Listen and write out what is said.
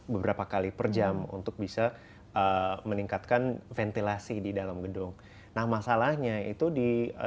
beberapa kali per jam untuk bisa meningkatkan ventilasi di dalam gedung nah masalahnya itu di